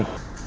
câu chuyện là